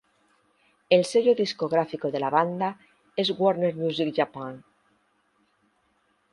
El sello discográfico de la banda es Warner Music Japan.